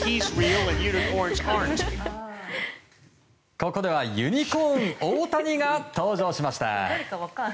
ここではユニコーン大谷が登場しました。